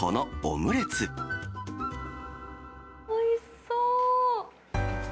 おいしそう！